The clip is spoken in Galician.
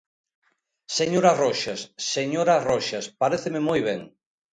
Señora Roxas, señora Roxas, paréceme moi ben.